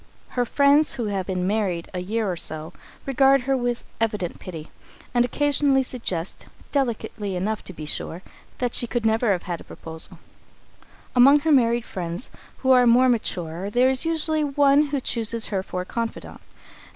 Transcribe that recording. Her friends, who have been married a year or so, regard her with evident pity, and occasionally suggest, delicately enough, to be sure, that she could never have had a proposal. [Sidenote: The Consistent Lady] Among her married friends who are more mature, there is usually one who chooses her for a confidant.